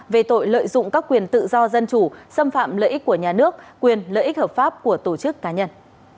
về tội lợi dụng các quyền tự do dân chủ xâm phạm lợi ích của nhà nước quyền lợi ích hợp pháp của tổ chức cá nhân